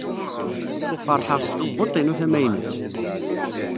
Feṛḥeɣ s tkebbuḍt-inu tamaynut.